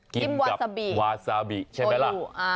กินกับวาซาบิใช่ไหมล่ะ